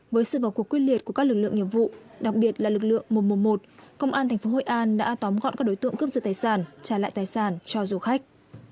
với sự vào cuộc quyết liệt của các lực lượng nghiệp vụ đặc biệt là lực lượng một trăm một mươi một công an tp hội an đã tóm gọn các đối tượng cướp giật tài sản trả lại tài sản cho du khách